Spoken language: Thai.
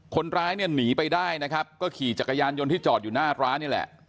คนร้ายเนี่ยหนีไปได้นะครับก็ขี่จักรยานยนต์ที่จอดอยู่หน้าร้านนี่แหละ